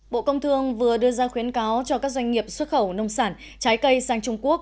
bộ công thương vừa đưa ra khuyến cáo cho các doanh nghiệp xuất khẩu nông sản trái cây sang trung quốc